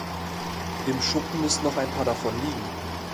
Im Schuppen müssten noch ein paar davon liegen.